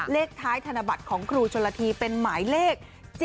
เลขท้ายธนบัตรของครูชนละทีเป็นหมายเลข๗๗